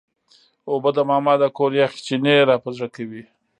اوبه د ماما د کور یخ چینې راپه زړه کوي.